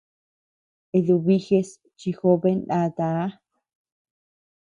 Eduviges chi jobe ndata.